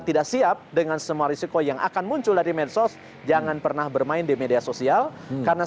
tidak siap dengan semua risiko yang akan muncul dari medsos jangan pernah bermain di media sosial karena